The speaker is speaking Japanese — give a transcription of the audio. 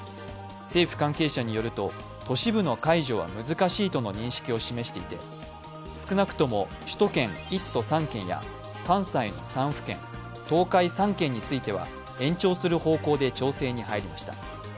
政府関係者によると、都市部の解除は難しいとの認識を示していて少なくとも首都圏１都３県や関西３府県、東海３県については延長する方向で調整に入りました。